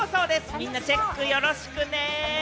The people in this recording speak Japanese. みんなチェックよろしくね。